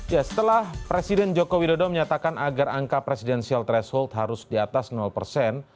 ya setelah presiden joko widodo menyatakan agar angka presidensial threshold harus di atas persen